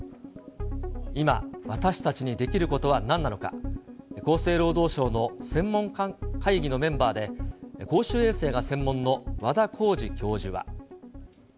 今、私たちにできることは何なのか、厚生労働省の専門家会議のメンバーで、公衆衛生が専門の和田耕治教授は。